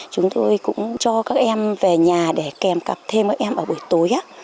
chúng tôi cũng cho các em về nhà để kèm cặp thêm các em ở buổi tối